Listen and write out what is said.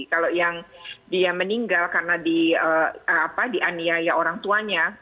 kalau yang dia meninggal karena dianiaya orang tuanya